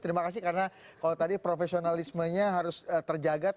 terima kasih karena kalau tadi profesionalismenya harus terjaga